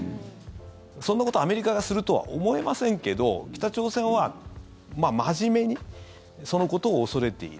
そんなこと、アメリカがするとは思えませんけど北朝鮮は真面目にそのことを恐れている。